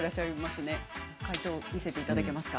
解答を見せていただけますか。